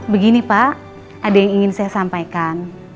begini pak ada yang ingin saya sampaikan